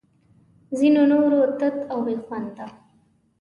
ځینو نورو تت او بې خونده